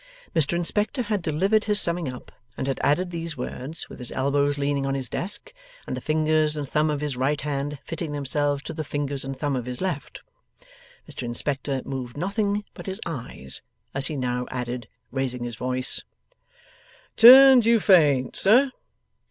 Mr Inspector had delivered his summing up, and had added these words, with his elbows leaning on his desk, and the fingers and thumb of his right hand, fitting themselves to the fingers and thumb of his left. Mr Inspector moved nothing but his eyes, as he now added, raising his voice: 'Turned you faint, sir!